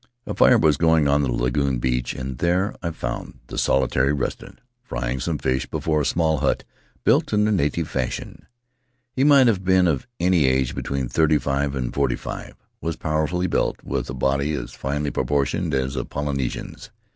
A fire was going on the lagoon beach, and there I found the solitary resident frying some fish before a small hut built in the native fashion. He might have been of any age between thirty five and forty five; was powerfully built, with a body as finely proportioned as a Polynesian's.